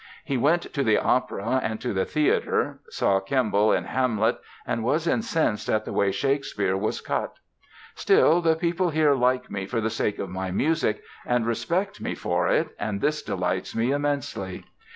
He went to the opera and to the theatre, saw Kemble in "Hamlet" and was incensed at the way Shakespeare was cut. Still "the people here like me for the sake of my music and respect me for it and this delights me immensely".